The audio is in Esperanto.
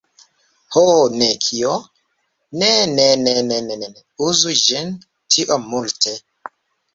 Ho.. ne kio? Ne! Ne ne ne ne uzu ĝin tiom multe!